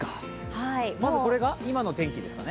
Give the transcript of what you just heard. まずこれが今の天気ですかね。